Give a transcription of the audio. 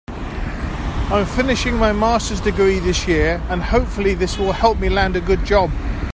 I'm finishing my masters degree this year and hopefully this will help me land a good job.